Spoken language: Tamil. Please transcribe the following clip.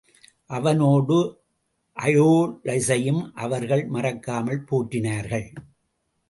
அவனோடு, அயோலஸையும் அவர்கள் மறக்காமல் போற்றினார்கள்.